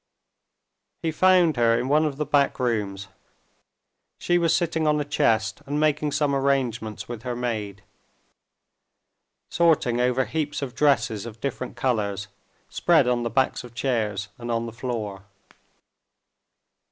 He found her in one of the back rooms. She was sitting on a chest and making some arrangements with her maid, sorting over heaps of dresses of different colors, spread on the backs of chairs and on the floor.